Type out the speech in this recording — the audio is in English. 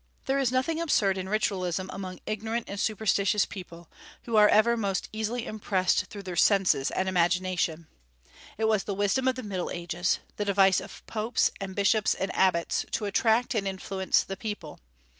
There is nothing absurd in ritualism among ignorant and superstitious people, who are ever most easily impressed through their senses and imagination. It was the wisdom of the Middle Ages, the device of popes and bishops and abbots to attract and influence the people.